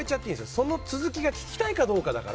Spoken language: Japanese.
その続きが聞きたいかどうかだから。